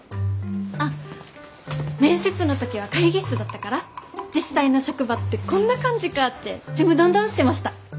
あっ面接の時は会議室だったから実際の職場ってこんな感じかってちむどんどんしてました！